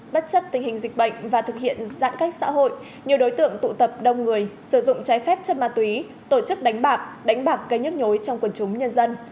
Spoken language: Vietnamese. bất chấp tình hình dịch bệnh và thực hiện giãn cách xã hội nhiều đối tượng tụ tập đông người sử dụng trái phép chất ma túy tổ chức đánh bạc đánh bạc cây nhức nhối trong quần chúng nhân dân